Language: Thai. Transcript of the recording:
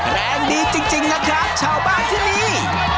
แรงดีจริงนะครับชาวบ้านที่นี่